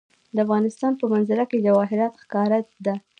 د افغانستان په منظره کې جواهرات ښکاره ده.